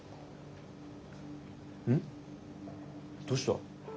どうした？